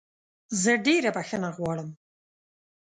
زه ډېره بخښنه غواړم